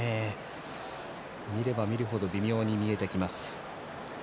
見れば見る程微妙に見えてきます。